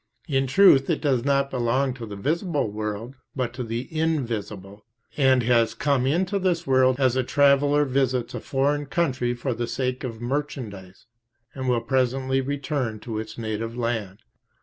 In truth it does not belong to the visible world, but to the invisible, and has come into this world as a traveller visits a foreign country for the sake of merchandise, and will presently return to its native land.